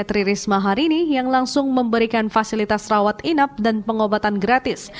tri risma hari ini yang langsung memberikan fasilitas rawat inap dan pengobatan gratis